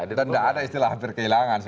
dan tidak ada istilah hampir kehilangan